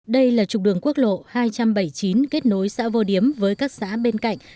đây là trục đường quốc lộ hai trăm bảy mươi chín kết nối xã vô điếm với các xã bên cạnh